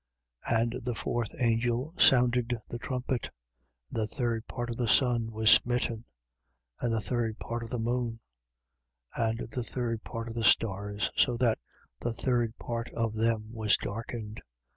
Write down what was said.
8:12. And the fourth angel sounded the trumpet: and the third part of the sun was smitten, and the third part of the moon, and the third part of the stars, so that the third part of them was darkened.